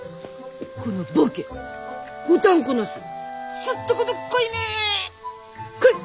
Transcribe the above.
このボケおたんこなすすっとこどっこいめ！これ！